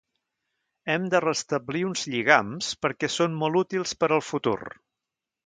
Hem de restablir uns lligams perquè són molt útils per al futur.